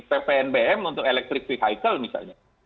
ppnbm untuk electric vehicle misalnya